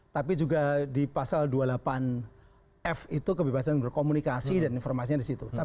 tapi juga di pasal dua puluh delapan f itu kebebasan berkomunikasi dan informasinya di situ